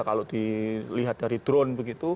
kalau dilihat dari drone begitu